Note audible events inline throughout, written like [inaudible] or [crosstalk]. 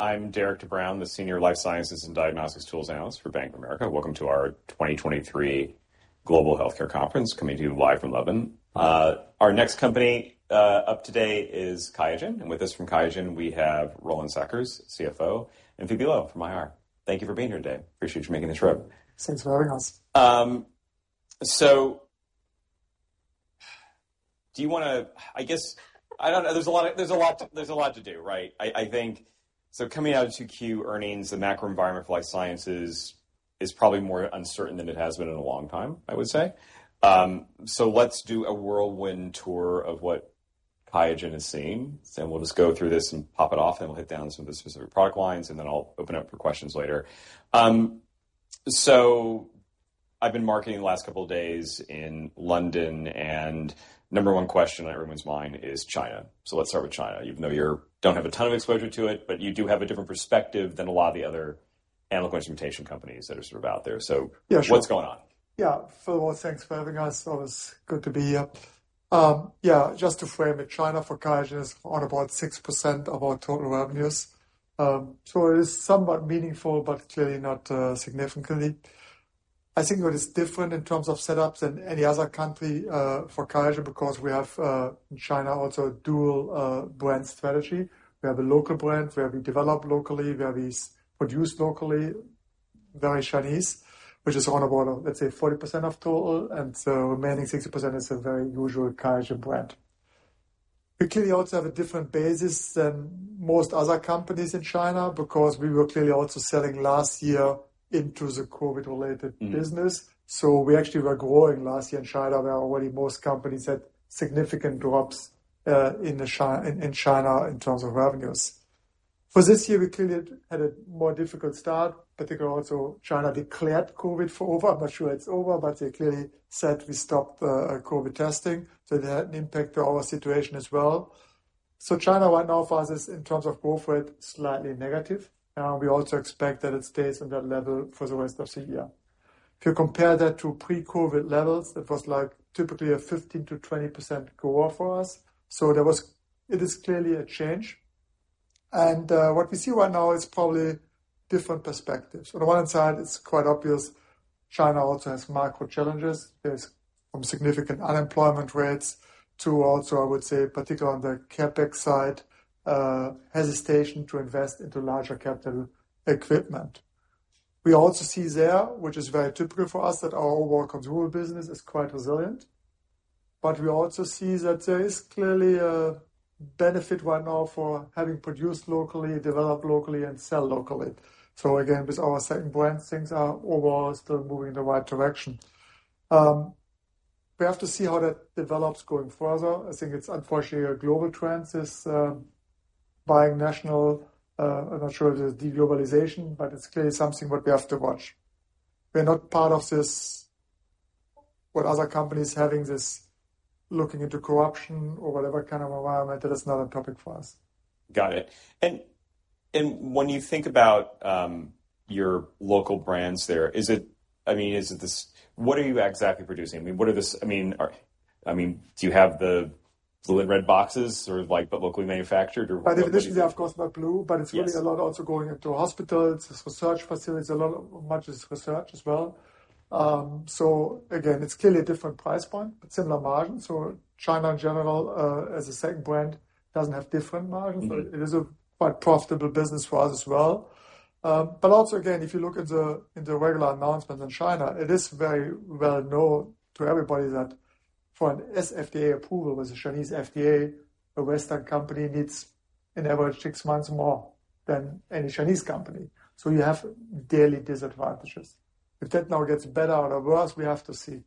I'm Derik de Bruin, the Senior Life Sciences and Diagnostics Tools Analyst for Bank of America. Welcome to our 2023 Global Healthcare Conference, coming to you live from London. Our next company up today is QIAGEN. With us from QIAGEN, we have Roland Sackers, CFO, and Phoebe Loh from IR. Thank you for being here today. Appreciate you making this trip. Thanks for having us. So do you wanna-I guess, I don't know. There's a lot to do, right? I think. So coming out of 2Q earnings, the macro environment for life sciences is probably more uncertain than it has been in a long time, I would say. So let's do a whirlwind tour of what QIAGEN is seeing, and we'll just go through this and pop it off, and we'll hit down some of the specific product lines, and then I'll open up for questions later. I've been marketing the last couple of days in London, and number one question on everyone's mind is China. So let's start with China. Even though you don't have a ton of exposure to it, but you do have a different perspective than a lot of the other animal instrumentation companies that are sort of out there. So- Yeah, sure. What's going on? Yeah. First of all, thanks for having us. So it's good to be here. Yeah, just to frame it, China for QIAGEN is on about 6% of our total revenues. So it is somewhat meaningful, but clearly not significantly. I think what is different in terms of setups than any other country for QIAGEN, because we have in China also a dual brand strategy. We have a local brand, where we develop locally, where we produce locally, very Chinese, which is on about, let's say, 40% of total, and so remaining 60% is a very usual QIAGEN brand. We clearly also have a different basis than most other companies in China because we were clearly also selling last year into the COVID-related- Mm. -business. So we actually were growing last year in China, where already most companies had significant drops, in China in terms of revenues. For this year, we clearly had a more difficult start, particularly also China declared COVID over. I'm not sure it's over, but they clearly said we stopped COVID testing, so that had an impact on our situation as well. So China right now for us is in terms of growth rate slightly negative. We also expect that it stays on that level for the rest of the year. If you compare that to pre-COVID levels, it was like typically a 15%-20% grow up for us. So there was. It is clearly a change, and what we see right now is probably different perspectives. On the one hand side, it's quite obvious China also has macro challenges. There's from significant unemployment rates to also, I would say, particularly on the CapEx side, hesitation to invest into larger capital equipment. We also see there, which is very typical for us, that our work consumable business is quite resilient, but we also see that there is clearly a benefit right now for having produced locally, developed locally and sell locally. So again, with our second brand, things are overall still moving in the right direction. We have to see how that develops going further. I think it's unfortunately a global trend, this, buying national, I'm not sure the de-globalization, but it's clearly something that we have to watch. We're not part of this, with other companies having this looking into corruption or whatever kind of environment. That is not a topic for us. Got it. And when you think about your local brands there, is it, I mean, is it this? What are you exactly producing? I mean, what are this, I mean, are, I mean, do you have the blue and red boxes or like, but locally manufactured, or? By definition, yeah, of course, not blue- Yes. But it's really a lot also going into hospitals, research facilities, a lot, much as research as well. So again, it's clearly a different price point, but similar margins. So China in general, as a second brand, doesn't have different margins. Mm. But it is a quite profitable business for us as well. But also, again, if you look at the in the regular announcements in China, it is very well known to everybody that for an SFDA approval with the Chinese FDA, a Western company needs an average six months more than any Chinese company. So you have daily disadvantages. If that now gets better or worse, we have to see.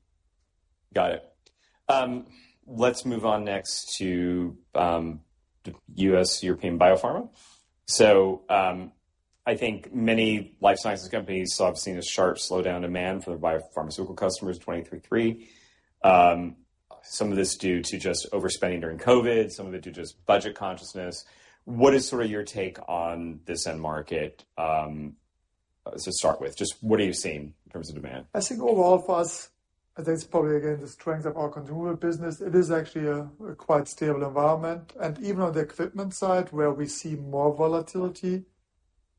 Got it. Let's move on next to the U.S., European biopharma. So, I think many life sciences companies have seen a sharp slowdown in demand for their biopharmaceutical customers, 2023. Some of this due to just overspending during COVID, some of it due to just budget consciousness. What is sort of your take on this end market, to start with? Just what are you seeing in terms of demand? I think overall for us, I think it's probably, again, the strength of our consumable business. It is actually a quite stable environment. And even on the equipment side, where we see more volatility,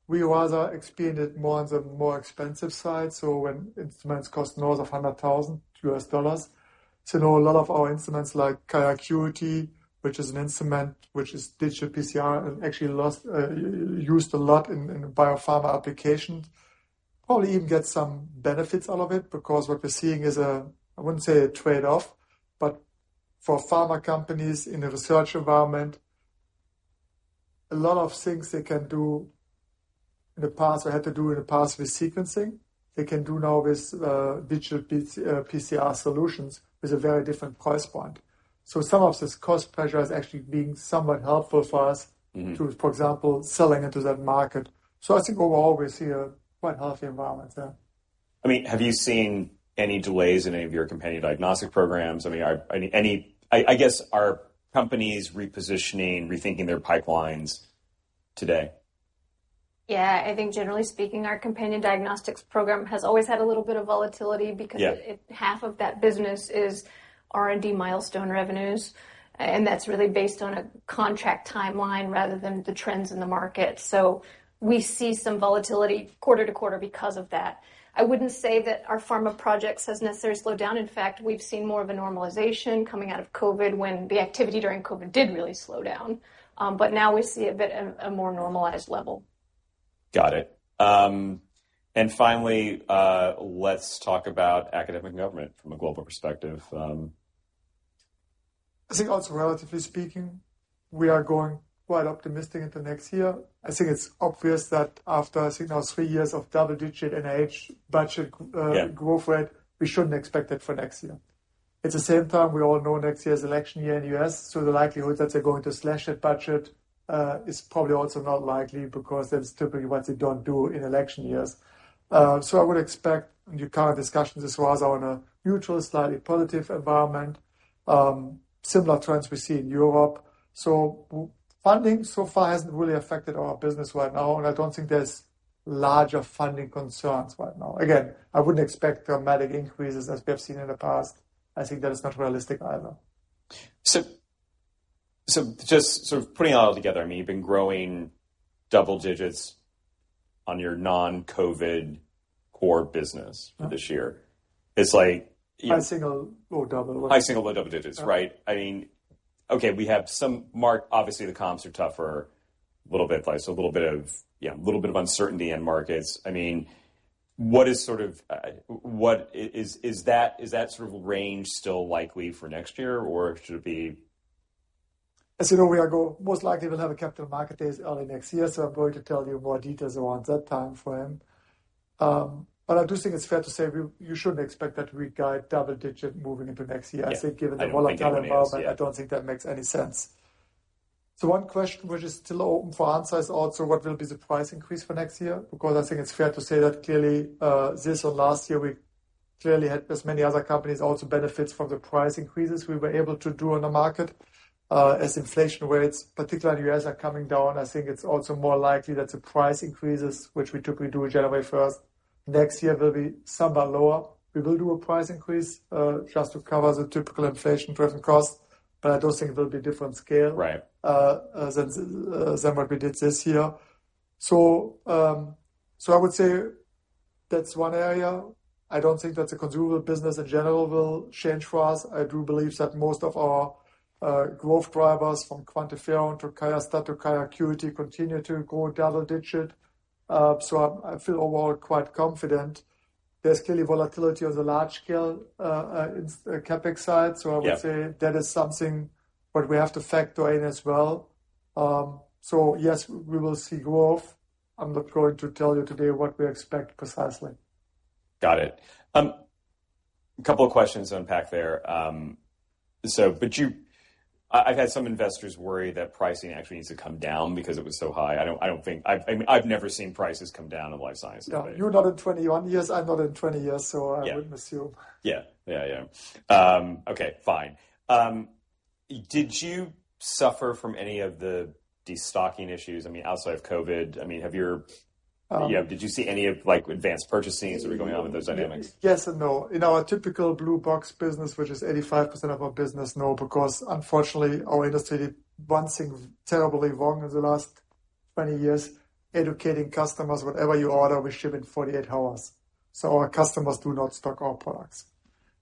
we rather experience it more on the more expensive side. So when instruments cost north of $100,000. So, no, a lot of our instruments, like QIAcuity, which is an instrument, which is digital PCR, and actually lots, used a lot in biopharma applications. Probably even get some benefits out of it, because what we're seeing is a, I wouldn't say a trade-off, but for pharma companies in a research environment, a lot of things they can do in the past or had to do in the past with sequencing, they can do now with digital PCR solutions is a very different price point. Some of this cost pressure is actually being somewhat helpful for us- Mm-hmm. -to, for example, selling into that market. So I think overall, we see a quite healthy environment there. I mean, have you seen any delays in any of your companion diagnostic programs? I mean, are any companies repositioning, rethinking their pipelines today? Yeah, I think generally speaking, our companion diagnostics program has always had a little bit of volatility- Yeah. Because half of that business is R&D milestone revenues, and that's really based on a contract timeline rather than the trends in the market. So we see some volatility quarter-to-quarter because of that. I wouldn't say that our pharma projects has necessarily slowed down. In fact, we've seen more of a normalization coming out of COVID, when the activity during COVID did really slow down. But now we see a bit of a more normalized level. Got it. And finally, let's talk about academia and government from a global perspective. I think also, relatively speaking, we are going quite optimistic into next year. I think it's obvious that after, I think now three years of double-digit NIH budget, Yeah -growth rate, we shouldn't expect that for next year. At the same time, we all know next year's election year in the U.S., so the likelihood that they're going to slash that budget, is probably also not likely, because that's typically what they don't do in election years. So I would expect your current discussions as well are on a neutral, slightly positive environment. Similar trends we see in Europe. So funding so far hasn't really affected our business right now, and I don't think there's larger funding concerns right now. Again, I wouldn't expect dramatic increases as we have seen in the past. I think that is not realistic either. So, just sort of putting it all together, I mean, you've been growing double digits on your non-COVID core business for this year. Yeah. It's like- High single or double. High single or double digits, right? I mean, okay, we have some, Mark, obviously, the comps are tougher, a little bit, so a little bit of, yeah, a little bit of uncertainty in markets. I mean, what is sort of, what is, is that, is that sort of range still likely for next year, or should it be? As you know, we most likely will have a capital market day early next year, so I'm going to tell you more details around that time frame. But I do think it's fair to say you shouldn't expect that we guide double digit moving into next year. Yeah. I think given the volatile environment- Yeah. I don't think that makes any sense. So one question which is still open for answer is also what will be the price increase for next year? Because I think it's fair to say that clearly, this or last year, we clearly had, as many other companies, also benefit from the price increases we were able to do on the market. As inflation rates, particularly in the U.S. are coming down, I think it's also more likely that the price increases, which we typically do January first, next year, will be somewhat lower. We will do a price increase, just to cover the typical inflation driven costs, but I don't think it will be different scale. Right -than what we did this year. So, so I would say that's one area. I don't think that the consumable business in general will change for us. I do believe that most of our, growth drivers, from QuantiFERON to QIAstat to QIAcuity, continue to grow double digits. So I, I feel overall quite confident. There's clearly volatility on the large scale, in CapEx side. Yeah. I would say that is something that we have to factor in as well. Yes, we will see growth. I'm not going to tell you today what we expect precisely. Got it. A couple of questions to unpack there. So but you-I, I've had some investors worry that pricing actually needs to come down because it was so high. I don't, I don't think. I've, I mean, I've never seen prices come down in life science. No, you're not in 21 years. I'm not in 20 years, so- Yeah. I wouldn't assume. Yeah. Yeah, yeah. Okay, fine. Did you suffer from any of the destocking issues? I mean, outside of COVID, I mean, have your- Um. Yeah, did you see any of, like, advanced purchasing, is there going on with those dynamics? Yes and no. In our typical blue box business, which is 85% of our business, no, because unfortunately, our industry, one thing terribly wrong in the last 20 years, educating customers. Whatever you order, we ship in 48 hours, so our customers do not stock our products.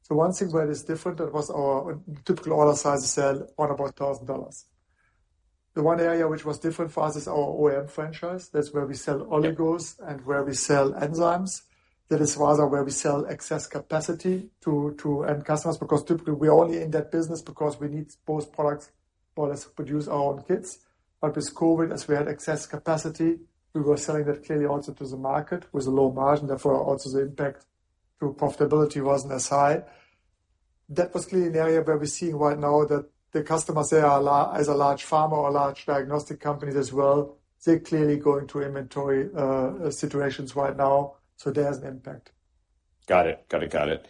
So one thing where it's different, that was our typical order size sell on about $1,000. The one area which was different for us is our OEM franchise. That's where we sell oligos and where we sell enzymes. That is rather where we sell excess capacity to, to end customers, because typically we're only in that business because we need both products for us to produce our own kits. But with COVID, as we had excess capacity, we were selling that clearly also to the market with a low margin. Therefore, also the impact to profitability wasn't as high. That was clearly an area where we're seeing right now that the customers, as a large pharma or large diagnostic companies as well, they're clearly going through inventory situations right now, so there's an impact. Got it. Got it, got it.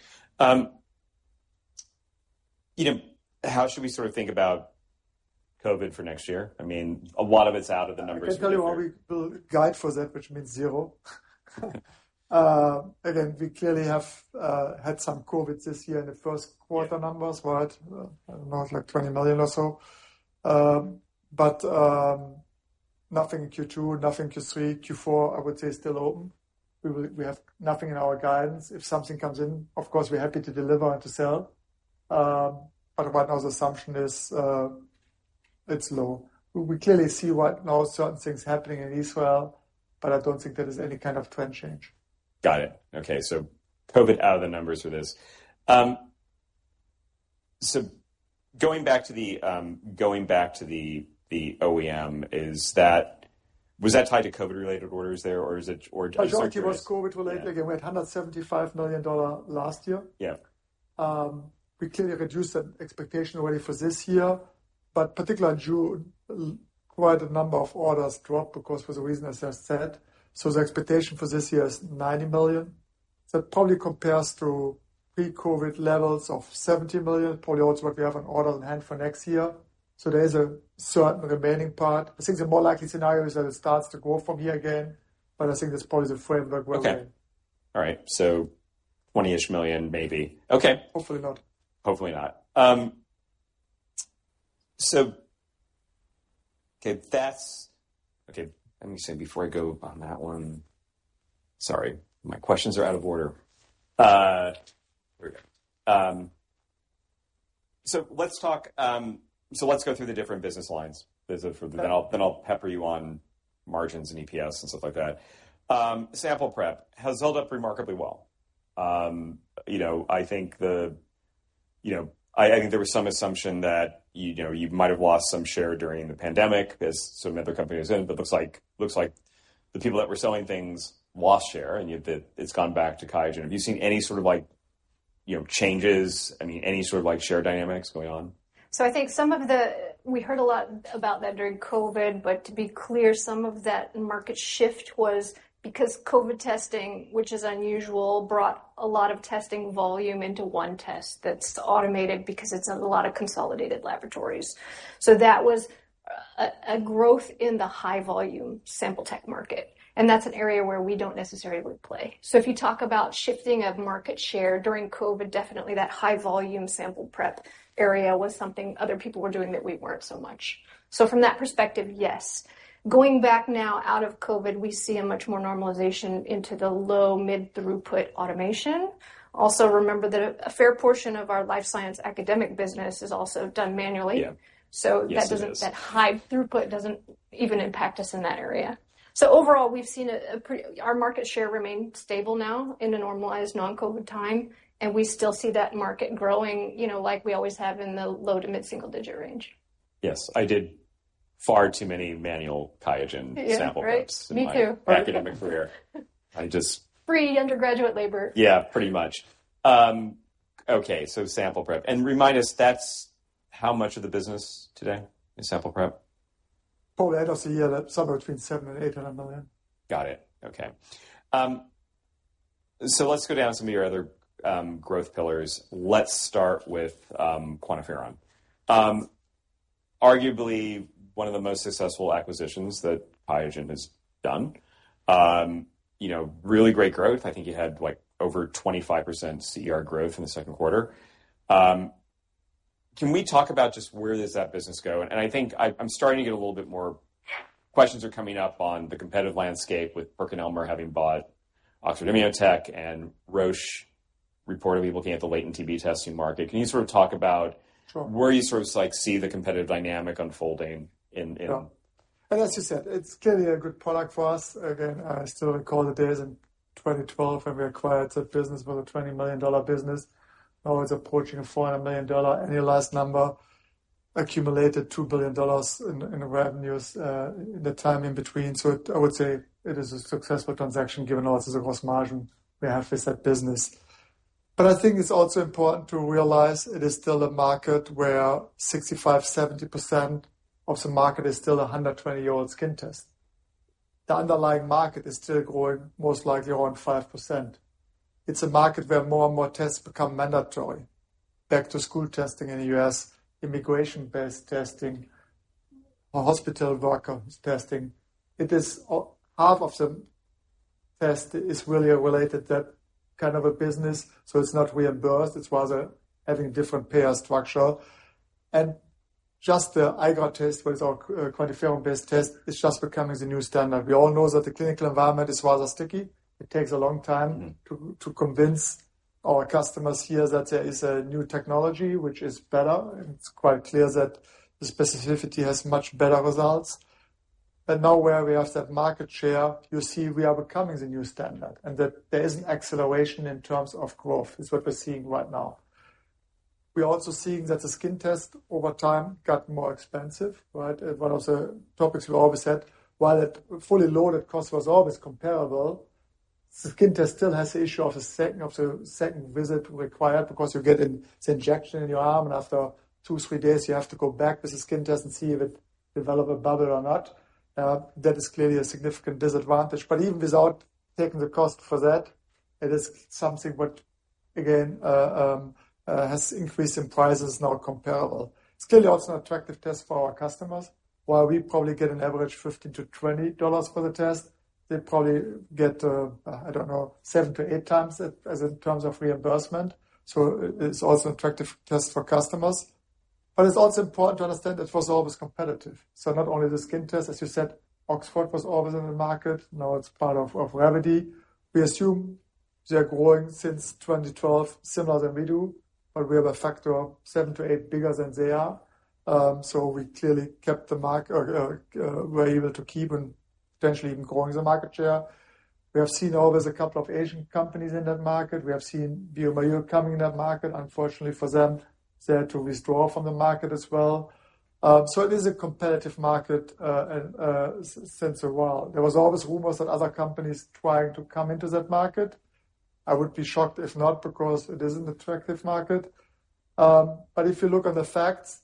You know, how should we sort of think about COVID for next year? I mean, a lot of it's out of the numbers. I can tell you how we build guide for that, which means zero. Again, we clearly have had some COVID this year in the Q1 numbers, right? I don't know, like, $20 million or so. But nothing Q2, nothing Q3, Q4, I would say is still open. We have nothing in our guidance. If something comes in, of course, we're happy to deliver and to sell. But right now, the assumption is it's low. We clearly see right now certain things happening in Israel, but I don't think there is any kind of trend change. Got it. Okay, so COVID out of the numbers for this. So going back to the OEM, is that-was that tied to COVID-related orders there, or is it, or? Majority was COVID-related. Yeah. Again, we had $175 million last year. Yeah. We clearly reduced that expectation already for this year, but particularly in June, quite a number of orders dropped because for the reason, as I said. So the expectation for this year is $90 million. That probably compares to pre-COVID levels of $70 million, probably also what we have on order on hand for next year. So there is a certain remaining part. I think the more likely scenario is that it starts to grow from here again, but I think that's probably the framework well then. Okay. All right. So $20-ish million maybe. Okay. Hopefully not. Hopefully not. So okay, let me see, before I go on that one. Sorry, my questions are out of order. Here we go. So let's talk, so let's go through the different business lines, then I'll, then I'll pepper you on margins and EPS and stuff like that. Sample prep has held up remarkably well. You know, I think the, you know, I, I think there was some assumption that, you know, you might have lost some share during the pandemic as some other companies in it, but looks like, looks like the people that were selling things lost share, and it's gone back to QIAGEN. Have you seen any sort of like, you know, changes, I mean, any sort of like, share dynamics going on? So I think some of the, we heard a lot about that during COVID, but to be clear, some of that market shift was because COVID testing, which is unusual, brought a lot of testing volume into one test that's automated because it's a lot of consolidated laboratories. So that was a growth in the high volume sample tech market, and that's an area where we don't necessarily play. So if you talk about shifting of market share during COVID, definitely that high volume sample prep area was something other people were doing that we weren't so much. So from that perspective, yes. Going back now out of COVID, we see a much more normalization into the low, mid-throughput automation. Also, remember that a fair portion of our life science academic business is also done manually. Yeah. So- Yes, it is. That doesn't, that high throughput doesn't even impact us in that area. So overall, we've seen our market share remain stable now in a normalized non-COVID time, and we still see that market growing, you know, like we always have in the low to mid single digit range. Yes, I did far too many manual QIAGEN sample preps- Yeah, me too. in my academic career. I just- Free undergraduate labor. Yeah, pretty much. Okay, so sample prep. Remind us, that's how much of the business today is sample prep? Probably I'd say a year, that's somewhere between $700 million and $800 million. Got it. Okay. So let's go down some of your other, growth pillars. Let's start with, QuantiFERON. Arguably one of the most successful acquisitions that QIAGEN has done. You know, really great growth. I think you had, like, over 25% CER growth in the Q2. Can we talk about just where does that business go? And I think I, I'm starting to get a little bit more questions are coming up on the competitive landscape with PerkinElmer having bought Oxford Immunotec and Roche reportedly looking at the latent TB testing market. Can you sort of talk about- Sure. Where you sort of like see the competitive dynamic unfolding in, in? Yeah. And as you said, it's clearly a good product for us. Again, I still recall the days in 2012 when we acquired that business with a $20 million business. Now it's approaching a $400 million annualized number, accumulated $2 billion in revenues in the time in between. So I would say it is a successful transaction, given also the gross margin we have with that business. But I think it's also important to realize it is still a market where 65%-70% of the market is still a 120-year-old skin test. The underlying market is still growing, most likely around 5%. It's a market where more and more tests become mandatory. Back to school testing in the U.S., immigration-based testing or hospital worker testing. It is half of the test is really related to that kind of a business, so it's not reimbursed, it's rather having different payer structure. And just the IGRA test, which is our QuantiFERON-based test, is just becoming the new standard. We all know that the clinical environment is rather sticky. It takes a long time- Mm. -to convince our customers here that there is a new technology which is better. It's quite clear that the specificity has much better results. And now where we have that market share, you see we are becoming the new standard and that there is an acceleration in terms of growth, is what we're seeing right now. We are also seeing that the skin test, over time, got more expensive, right? One of the topics we always had, while it fully loaded cost was always comparable, the skin test still has the issue of the second visit required because you get an injection in your arm, and after two, three days, you have to go back, because the skin doesn't see if it developed a bubble or not. That is clearly a significant disadvantage. But even without taking the cost for that, it is something which, again, has increased in price, is now comparable. It's clearly also an attractive test for our customers. While we probably get an average $15-$20 for the test, they probably get, I don't know, seven to eight times as in terms of reimbursement. So it's also an attractive test for customers. But it's also important to understand that it was always competitive. So not only the skin test, as you said, Oxford was always in the market, now it's part of, of Revvity. We assume they are growing since 2012, similar than we do, but we have a factor of seven to eight bigger than they are. So we clearly kept the mark, were able to keep and potentially even growing the market share. We have seen always a couple of Asian companies in that market. We have seen bioMérieux coming in that market. Unfortunately for them, they had to withdraw from the market as well. So it is a competitive market, and since a while. There was always rumors that other companies trying to come into that market. I would be shocked if not, because it is an attractive market. But if you look at the facts.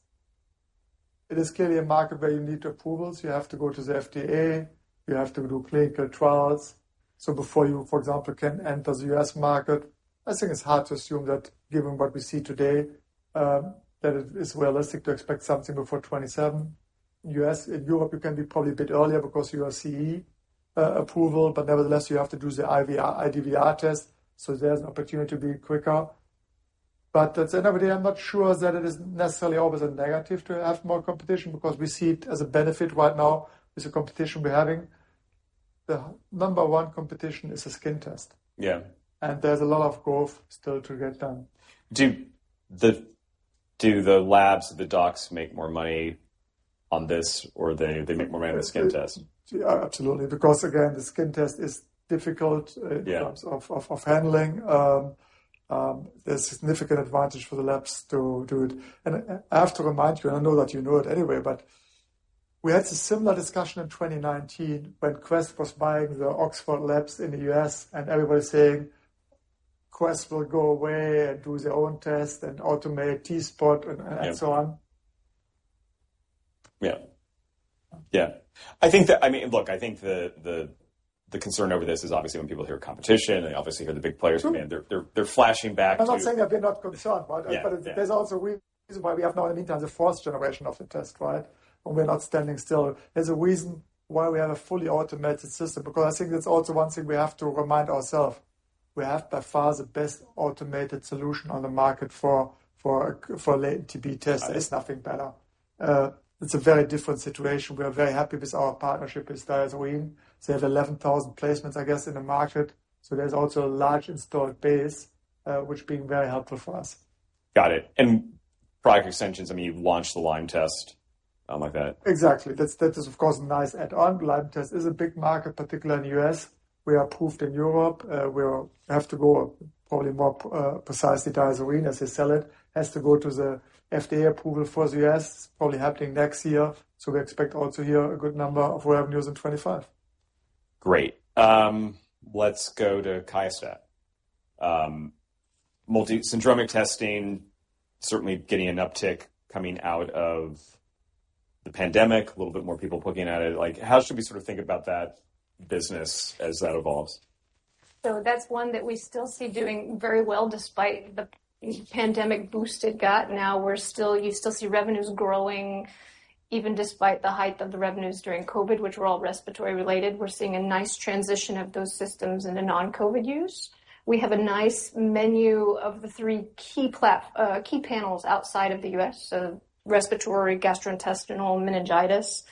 It is clearly a market where you need approvals. You have to go to the FDA, you have to do clinical trials. So before you, for example, can enter the US market, I think it's hard to assume that given what we see today, that it is realistic to expect something before 2027 U.S., in Europe, it can be probably a bit earlier because you are CE approval, but nevertheless, you have to do the IVDR test, so there's an opportunity to be quicker. But at the end of the day, I'm not sure that it is necessarily always a negative to have more competition, because we see it as a benefit right now with the competition we're having. The number one competition is a skin test. Yeah. There's a lot of growth still to get done. Do the labs or the docs make more money on this, or they make more money on the skin test? Yeah, absolutely. Because again, the skin test is difficult- Yeah In terms of handling, there's significant advantage for the labs to do it. And I have to remind you, I know that you know it anyway, but we had a similar discussion in 2019 when Quest was buying the Oxford Labs in the U.S., and everybody was saying, Quest will go away and do their own test and automate T-SPOT and so on. Yeah. Yeah. I think that-I mean, look, I think the concern over this is obviously when people hear competition, they obviously hear the big players. Sure. I mean, they're flashing back to- I'm not saying that we're not concerned, but- Yeah. But there's also a reason why we have now, in the meantime, the fourth generation of the test, right? And we're not standing still. There's a reason why we have a fully automated system, because I think that's also one thing we have to remind ourselves. We have by far the best automated solution on the market for latent TB tests. There's nothing better. It's a very different situation. We are very happy with our partnership with DiaSorin. They have 11,000 placements, I guess, in the market, so there's also a large installed base, which being very helpful for us. Got it. And product extensions, I mean, you've launched the Lyme test, like that. Exactly. That's, that is, of course, a nice add-on. Lyme test is a big market, particularly in the U.S. We are approved in Europe, we have to go probably more precisely, DiaSorin, as they sell it, has to go to the FDA approval for the U.S. Probably happening next year. So we expect also here, a good number of revenues in 2025. Great. Let's go to QIAstat. Multi-syndromic testing, certainly getting an uptick coming out of the pandemic. A little bit more people looking at it. Like, how should we sort of think about that business as that evolves? So that's one that we still see doing very well, despite the pandemic boost it got. Now, you still see revenues growing, even despite the height of the revenues during COVID, which were all respiratory related. We're seeing a nice transition of those systems into non-COVID use. We have a nice menu of the three key panels outside of the U.S., so respiratory, gastrointestinal, meningitis,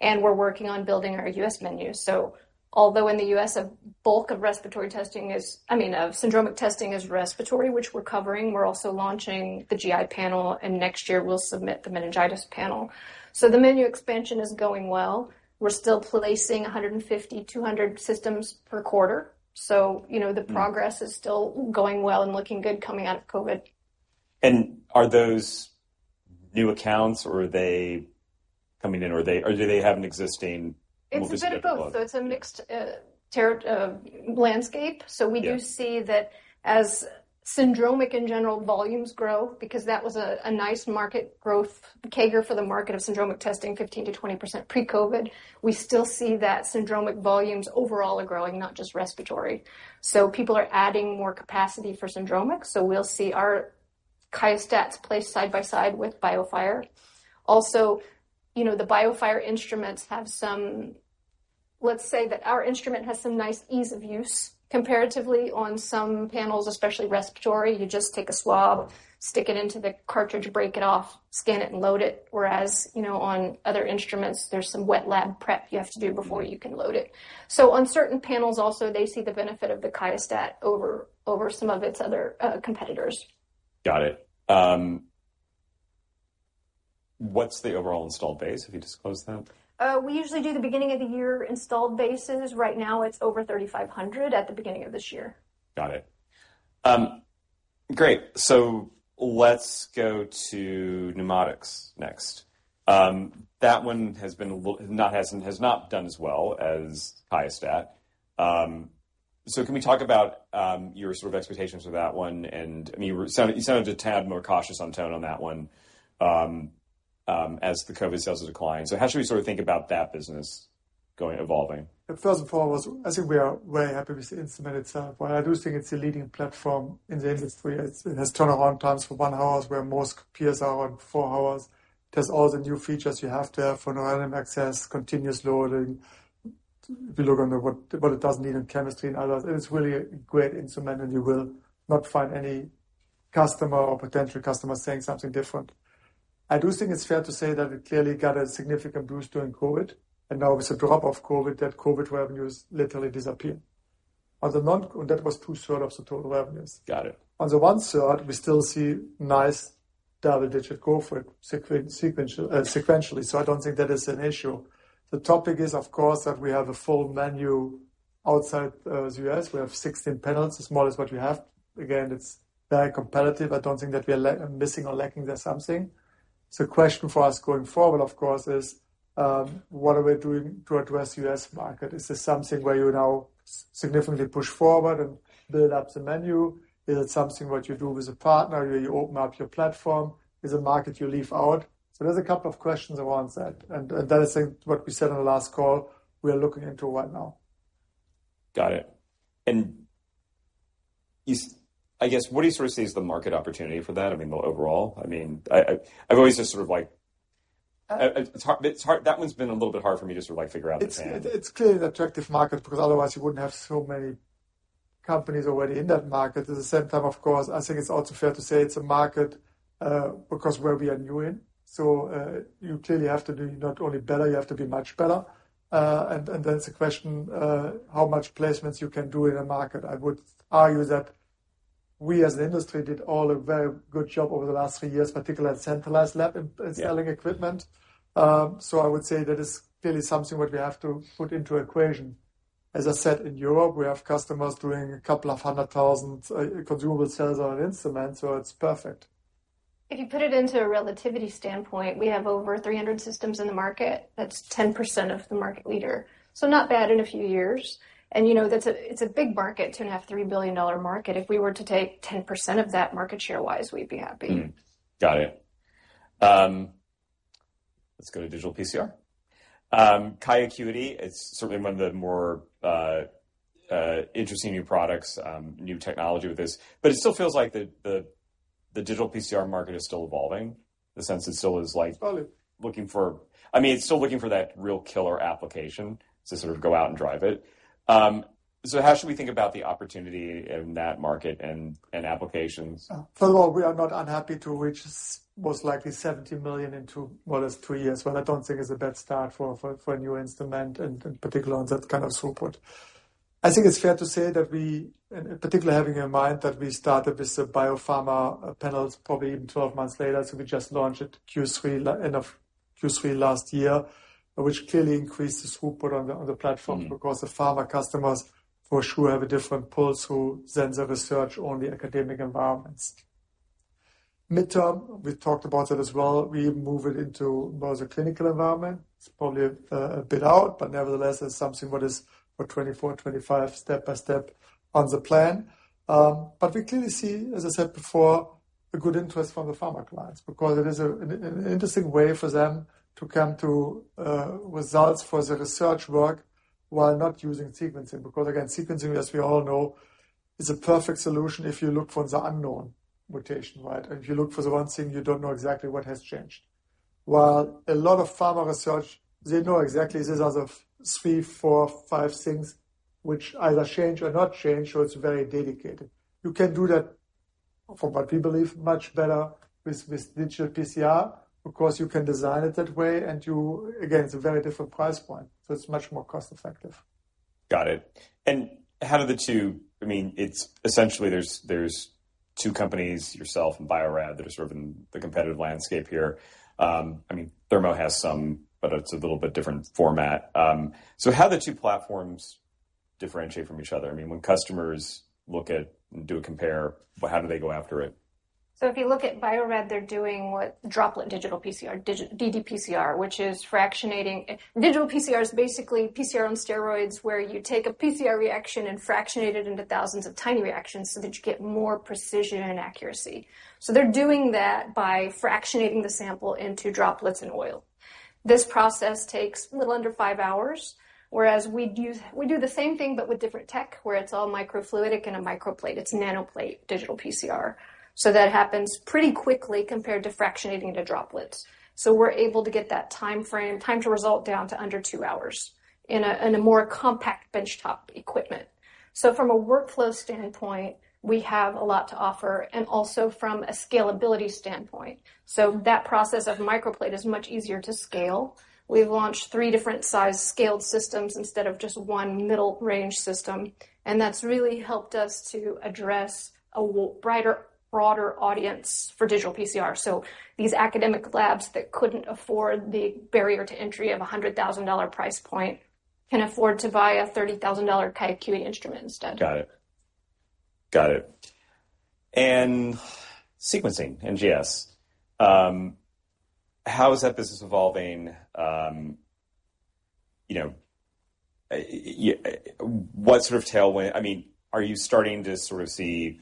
and we're working on building our U.S. menu. So although in the U.S., a bulk of respiratory testing is, I mean, of syndromic testing is respiratory, which we're covering, we're also launching the GI panel, and next year, we'll submit the meningitis panel. So the menu expansion is going well. We're still placing 150-200 systems per quarter. So, you know, the progress is still going well and looking good coming out of COVID. Are those new accounts or are they coming in, or do they have an existing? It's a bit of both. So it's a mixed terrain landscape. Yeah. So we do see that as syndromic and general volumes grow, because that was a nice market growth, the CAGR for the market of syndromic testing, 15%-20% pre-COVID. We still see that syndromic volumes overall are growing, not just respiratory. So people are adding more capacity for syndromic. So we'll see our QIAstat placed side by side with BioFire. Also, you know, the BioFire instruments have some... Let's say that our instrument has some nice ease of use comparatively on some panels, especially respiratory. You just take a swab, stick it into the cartridge, break it off, scan it, and load it. Whereas, you know, on other instruments, there's some wet lab prep you have to do before you can load it. So on certain panels also, they see the benefit of the QIAstat over some of its other competitors. Got it. What's the overall installed base? Have you disclosed that? We usually do the beginning of the year installed bases. Right now, it's over 3,500 at the beginning of this year. Got it. Great. So let's go to QuantiFERON next. That one has been a little, not has, has not done as well as QIAstat. So can we talk about your sort of expectations for that one? And I mean, you sounded a tad more cautious on tone on that one, as the COVID sales are declining. So how should we sort of think about that business going, evolving? First and foremost, I think we are very happy with the instrument itself. I do think it's a leading platform in the industry. It's, it has turnaround times for one hour, where most peers are on four hours. There's all the new features you have to have for random access, continuous loading. If you look on the what, what it does need in chemistry and others, it's really a great instrument, and you will not find any customer or potential customer saying something different. I do think it's fair to say that it clearly got a significant boost during COVID, and now with the drop of COVID, that COVID revenues literally disappear. On the [crosstalk] was two-thirds of the total revenues. Got it. On the one side, we still see nice double-digit growth, sequentially. So I don't think that is an issue. The topic is, of course, that we have a full menu outside of U.S. We have 16 panels, as small as what we have. Again, it's very competitive. I don't think that we are missing or lacking there something. So the question for us going forward, of course, is what are we doing to address US market? Is this something where you now significantly push forward and build up the menu? Is it something what you do with a partner, where you open up your platform? Is it a market you leave out? So there's a couple of questions around that, and, and that is, I think, what we said on the last call, we are looking into it right now. Got it. And you, I guess, what do you sort of see as the market opportunity for that, I mean, overall? I mean, I, I've always just sort of like it's hard, it's hard. That one's been a little bit hard for me to sort of like, figure out the plan. It's clearly an attractive market, because otherwise you wouldn't have so many companies already in that market. At the same time, of course, I think it's also fair to say it's a market because where we are new in. So you clearly have to do not inly better, you have to be much better. And then it's a question how much placements you can do in a market. I would argue that we, as an industry, did all a very good job over the last three years, particularly at centralized lab and selling equipment. So I would say that is clearly something what we have to put into equation. As I said, in Europe, we have customers doing a couple of hundred thousand consumable sales on an instrument, so it's perfect. If you put it into a relativity standpoint, we have over 300 systems in the market. That's 10% of the market leader. So not bad in a few years. And, you know, that's it's a big market, $2.5-$3 billion market. If we were to take 10% of that market share wise, we'd be happy. Mm. Got it. Let's go to digital PCR. QIAcuity, it's certainly one of the more interesting new products, new technology with this. But it still feels like the digital PCR market is still evolving, in the sense it still is like- It's evolving. -looking for, I mean, it's still looking for that real killer application to sort of go out and drive it. So how should we think about the opportunity in that market and applications? For now, we are not unhappy to reach most likely $70 million in two, well, it's three years, but I don't think it's a bad start for a new instrument, and in particular on that kind of throughput. I think it's fair to say that we, and in particular, having in mind that we started with the biopharma panels, probably even 12 months later, so we just launched it Q3, end of Q3 last year, which clearly increased the throughput on the platform. Mm-hmm. Because the pharma customers for sure have a different pulse who sends a research on the academic environments. Midterm, we talked about it as well. We move it into more the clinical environment. It's probably a bit out, but nevertheless, it's something what is for 2024, 2025, step by step on the plan. But we clearly see, as I said before, a good interest from the pharma clients because it is an interesting way for them to come to results for the research work while not using sequencing. Because again, sequencing, as we all know, is a perfect solution if you look for the unknown mutation, right? If you look for the one thing, you don't know exactly what has changed. While a lot of pharma research, they know exactly these are the three, four, five things which either change or not change, so it's very dedicated. You can do that for what we believe much better with Digital PCR. Of course, you can design it that way, and you, again, it's a very different price point, so it's much more cost effective. Got it. And how do the two, i mean, it's essentially there's, there's two companies, yourself and Bio-Rad, that are sort of in the competitive landscape here. I mean, Thermo has some, but it's a little bit different format. So how do the two platforms differentiate from each other? I mean, when customers look at and do a compare, how do they go after it? So if you look at Bio-Rad, they're doing droplet digital PCR, ddPCR, which is fractionating. Digital PCR is basically PCR on steroids, where you take a PCR reaction and fractionate it into thousands of tiny reactions so that you get more precision and accuracy. So they're doing that by fractionating the sample into droplets and oil. This process takes a little under five hours, whereas we use. We do the same thing, but with different tech, where it's all microfluidic and a microplate. It's nanoplate digital PCR. So that happens pretty quickly compared to fractionating the droplets. So we're able to get that time frame, time to result down to under two hours in a more compact benchtop equipment. So from a workflow standpoint, we have a lot to offer, and also from a scalability standpoint. So that process of microplate is much easier to scale. We've launched three different size scaled systems instead of just one middle range system, and that's really helped us to address a wider, broader audience for Digital PCR. So these academic labs that couldn't afford the barrier to entry of a $100,000 price point can afford to buy a $30,000 QIAcuity instrument instead. Got it. Got it. And sequencing, NGS, how is that business evolving? You know, what sort of tailwind—I mean, are you starting to sort of see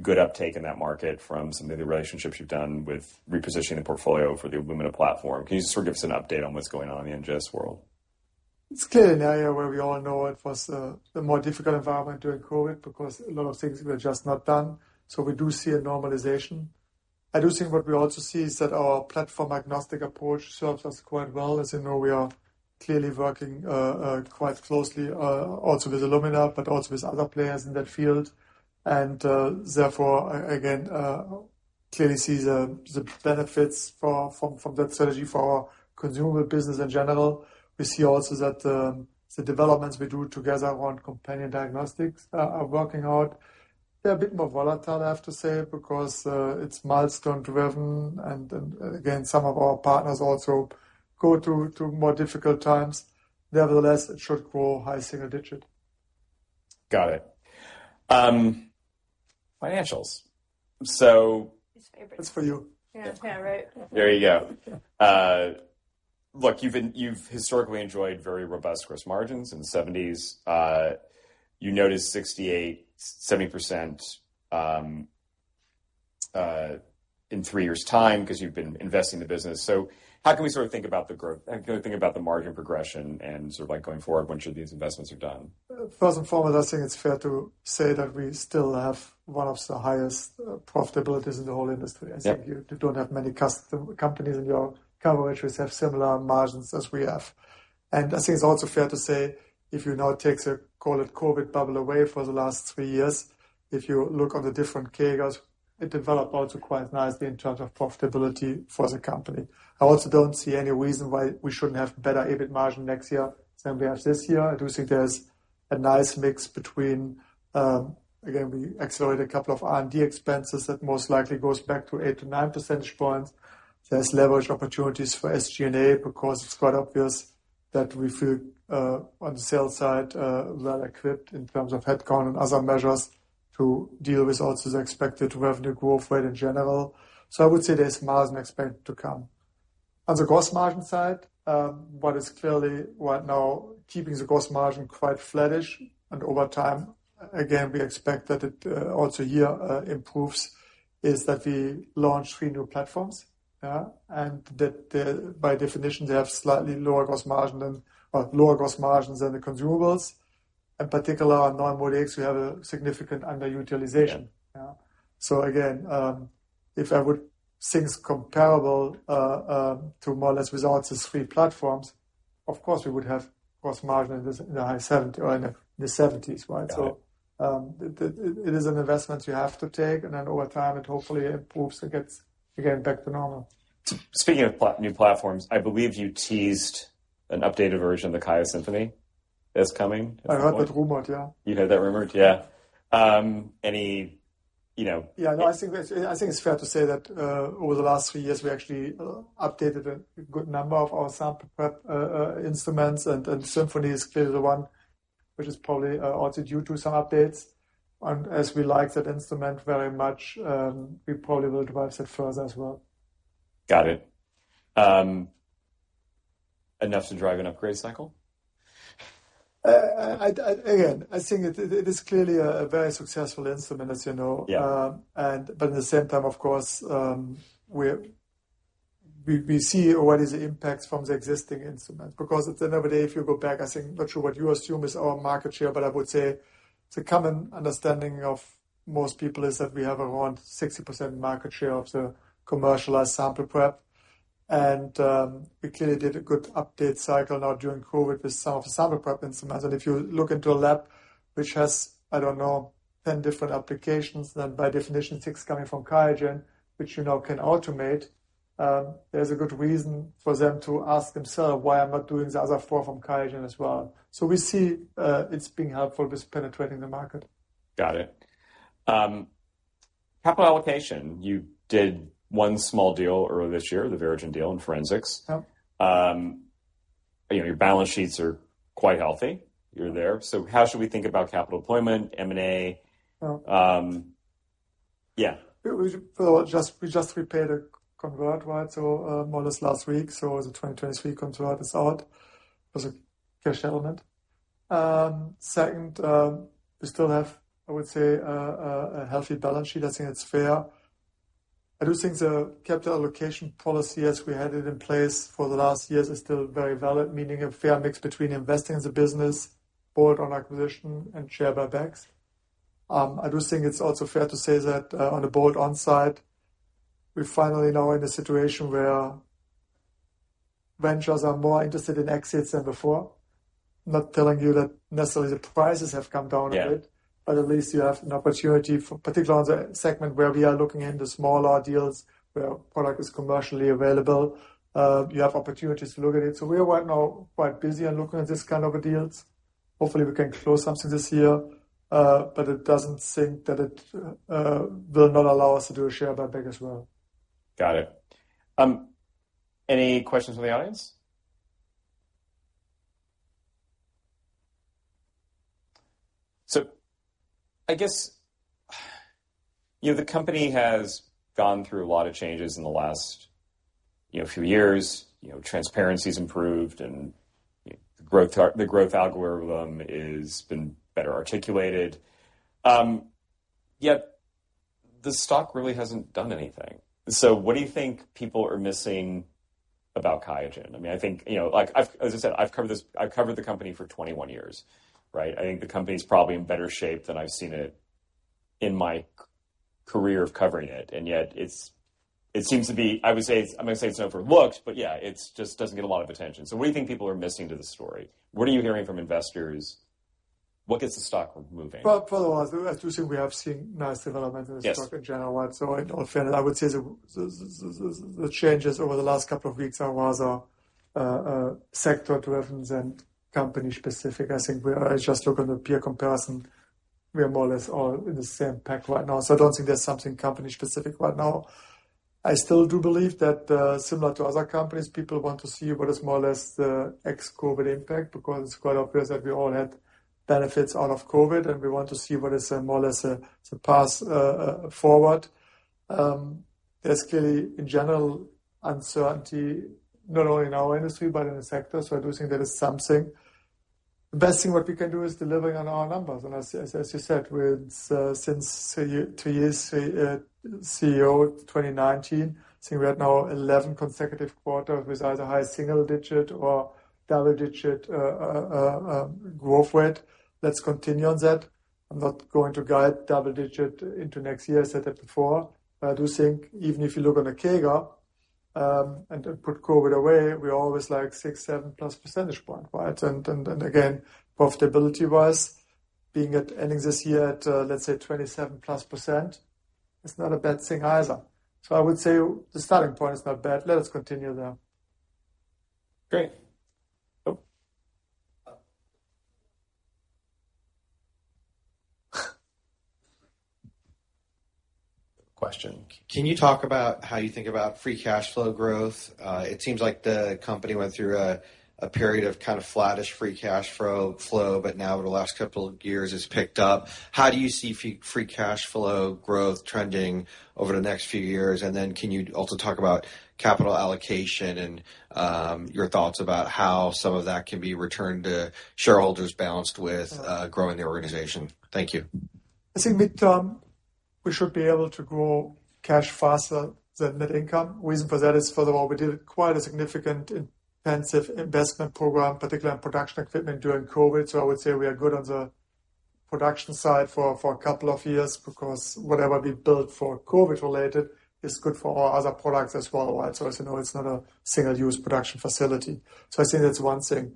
good uptake in that market from some of the relationships you've done with repositioning the portfolio for the Illumina platform? Can you just sort of give us an update on what's going on in the NGS world? It's clearly an area where we all know it was a more difficult environment during COVID, because a lot of things were just not done. So we do see a normalization. I do think what we also see is that our platform-agnostic approach serves us quite well. As you know, we are clearly working quite closely also with Illumina, but also with other players in that field. And therefore, again, clearly see the benefits from that strategy for our consumer business in general. We see also that the developments we do together on companion diagnostics are working out. They're a bit more volatile, I have to say, because it's milestone driven, and then, again, some of our partners also go through to more difficult times. Nevertheless, it should grow high single digit. Got it. Financials. So- His favorite. It's for you. Yeah. Yeah, right. There you go. Look, you've historically enjoyed very robust gross margins in the 70s. You noticed 68%-70%, in three years' time, 'cause you've been investing in the business. So how can we sort of think about the growth, think about the margin progression and sort of, like, going forward once these investments are done? First and foremost, I think it's fair to say that we still have one of the highest profitabilities in the whole industry. Yep. I think you don't have many companies in your coverage which have similar margins as we have. I think it's also fair to say, if you now take the, call it COVID bubble, away for the last three years, if you look on the different segments, it developed also quite nicely in terms of profitability for the company. I also don't see any reason why we shouldn't have better EBIT margin next year than we have this year. I do think there's a nice mix between, again, we accelerated a couple of R&D expenses that most likely goes back to 8-9 percentage points. There's leverage opportunities for SG&A because it's quite obvious that we feel, on the sales side, well equipped in terms of headcount and other measures to deal with what is expected revenue growth rate in general. So, I would say there's miles and expect to come. On the gross margin side, what is clearly right now keeping the gross margin quite flattish, and over time, again, we expect that it improves, is that we launch three new platforms. Yeah. And that, by definition, they have slightly lower gross margin than, or lower gross margins than, the consumables. In particular, on NeuMoDx, we have a significant underutilization. Yeah. Yeah. So again, if I would things comparable to more or less results as 3 platforms, of course, we would have cost margin in the high 70 or in the 70s, right? Yeah. So, it is an investment you have to take, and then over time, it hopefully improves and gets again back to normal. Speaking of new platforms, I believe you teased an updated version of the QIAsymphony is coming. I heard that rumor, yeah. You heard that rumor? Yeah. Any, you know- Yeah, no, I think, I think it's fair to say that, over the last three years, we actually updated a good number of our sample prep instruments, and Symphony is clearly the one, which is probably also due to some updates. And as we like that instrument very much, we probably will develop it further as well. Got it. Enough to drive an upgrade cycle? Again, I think it is clearly a very successful instrument, as you know. Yeah. But at the same time, of course, we see what is the impact from the existing instruments. Because at the end of the day, if you go back, I think, not sure what you assume is our market share, but I would say the common understanding of most people is that we have around 60% market share of the commercialized sample prep. And we clearly did a good update cycle now during COVID with some of the sample prep instruments. And if you look into a lab which has, I don't know, 10 different applications, then by definition, six coming from QIAGEN, which you now can automate, there's a good reason for them to ask themselves, "Why I'm not doing the other four from QIAGEN as well?" So we see, it's being helpful with penetrating the market. Got it. Capital allocation. You did one small deal earlier this year, the Verogen deal in forensics. Yep. You know, your balance sheets are quite healthy. You're there. So how should we think about capital deployment, M&A? Sure. Um, yeah. Well, we just repaid a convert, right? So, more or less last week. So the 2023 convert is out. It was a cash settlement. Second, we still have, I would say, a healthy balance sheet. I think it's fair. I do think the capital allocation policy, as we had it in place for the last years, is still very valid, meaning a fair mix between investing in the business, bolt-on acquisition and share buybacks. I do think it's also fair to say that, on the bolt-on side, we're finally now in a situation where ventures are more interested in exits than before. Not telling you that necessarily the prices have come down a bit- Yeah But at least you have an opportunity for, particularly on the segment where we are looking into smaller deals, where product is commercially available, you have opportunities to look at it. So we are right now quite busy on looking at this kind of a deals. Hopefully, we can close something this year, but it doesn't seem that it will not allow us to do a share buyback as well. Got it. Any questions from the audience? So I guess, you know, the company has gone through a lot of changes in the last, you know, few years. You know, transparency's improved, and, you know, the growth algorithm has been better articulated. Yet the stock really hasn't done anything. So what do you think people are missing about QIAGEN? I mean, I think, you know, like I've... As I said, I've covered the company for 21 years, right? I think the company is probably in better shape than I've seen it in my career of covering it, and yet it seems to be—I would say, I'm gonna say it's not for looks, but yeah, it just doesn't get a lot of attention. So what do you think people are missing to the story? What are you hearing from investors? What gets the stock moving? Well, first of all, I do think we have seen nice development- Yes -in the stock in general, right? So in all fairness, I would say the changes over the last couple of weeks are rather sector driven than company specific. I think I just look on the peer comparison, we are more or less all in the same pack right now. So I don't think there's something company specific right now. I still do believe that, similar to other companies, people want to see what is more or less the ex-COVID impact, because it's quite obvious that we all had benefits out of COVID, and we want to see what is more or less a path forward. There's clearly, in general, uncertainty, not only in our industry, but in the sector. So I do think that is something. The best thing what we can do is delivering on our numbers, and as you said, since two years CEO 2019, I think we are now 11 consecutive quarters with either high single-digit or double-digit growth rate. Let's continue on that. I'm not going to guide double-digit into next year. I said that before. I do think even if you look on a CAGR, and put COVID away, we're always like 6-7+ percentage points, right? And again, profitability-wise, ending this year at, let's say 27+%, it's not a bad thing either. So I would say the starting point is not bad. Let us continue there. Great. Oh. Question: Can you talk about how you think about free cash flow growth? It seems like the company went through a period of kind of flattish free cash flow, but now the last couple of years it's picked up. How do you see free cash flow growth trending over the next few years? And then can you also talk about capital allocation and your thoughts about how some of that can be returned to shareholders, balanced with growing the organization? Thank you. I think midterm, we should be able to grow cash faster than net income. Reason for that is, first of all, we did quite a significant intensive investment program, particularly in production equipment, during COVID. So I would say we are good on the production side for a couple of years, because whatever we built for COVID-related is good for our other products as well, right? So as you know, it's not a single-use production facility. So I think that's one thing.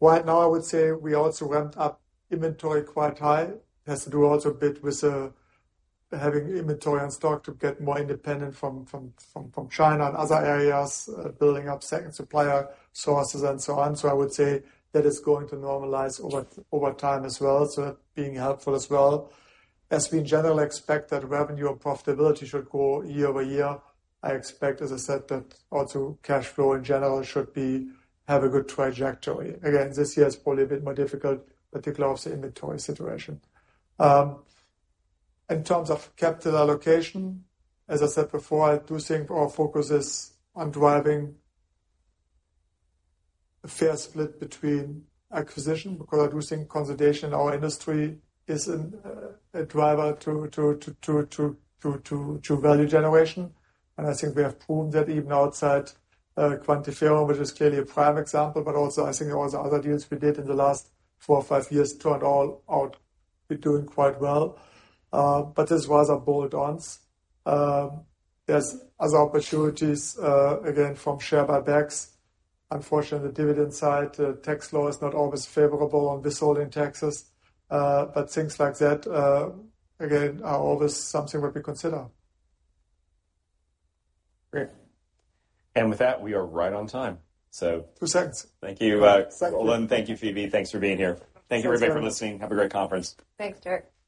Right now, I would say we also ramped up inventory quite high. It has to do also a bit with having inventory on stock to get more independent from China and other areas, building up second supplier sources and so on. So I would say that is going to normalize over time as well, so being helpful as well. As we generally expect that revenue and profitability should grow year-over-year, I expect, as I said, that also cash flow in general should be, have a good trajectory. Again, this year is probably a bit more difficult, particularly obviously, inventory situation. In terms of capital allocation, as I said before, I do think our focus is on driving a fair split between acquisition, because I do think consolidation in our industry is a driver to value generation. And I think we have proven that even outside QuantiFERON, which is clearly a prime example, but also I think all the other deals we did in the last four or five years turned all out, be doing quite well. But this was our bolt-ons. There's other opportunities, again, from share buybacks. Unfortunately, the dividend side, tax law is not always favorable on this withholding taxes, but things like that, again, are always something that we consider. Great. With that, we are right on time, so- Two seconds. Thank you, Roland. Thank you, Phoebe. Thanks for being here. Thank you, everybody, for listening. Have a great conference. Thanks, Derik.